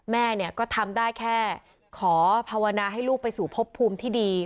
แม่เนี่ยก็ทำได้แค่ขอภาวนาให้ลูกไปสู่พบภูมิที่ดี